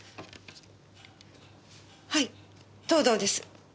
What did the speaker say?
はい藤堂です。